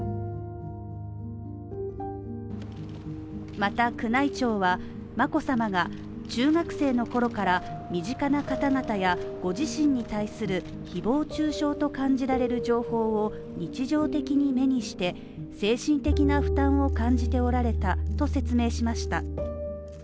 また宮内庁は眞子さまが中学生の頃から身近な方々やご自身に対する誹謗中傷と感じられる情報を日常的に目にして、精神的な負担を感じておられたと説明しました。